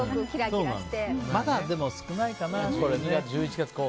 まだ少ないかな。